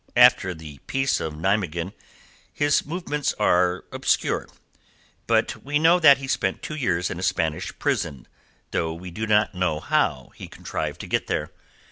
After the Peace of Nimeguen his movements are obscure. But we know that he spent two years in a Spanish prison, though we do not know how he contrived to get there.